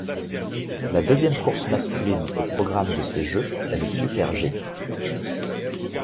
La deuxième course masculine au programme de ces Jeux est le Super-G.